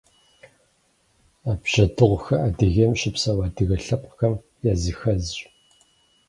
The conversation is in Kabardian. Бжьэдыгъухэр Адыгейм щыпсэу адыгэ лъэпкъхэм языхэзщ.